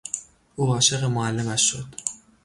او عاشق معلمش شد.